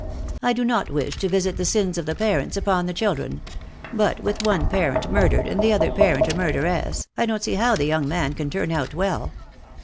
"I do not wish to visit the sins of the parents upon the children; but with one parent murdered and the other parent a murderess, I don't see how the young man can turn out well.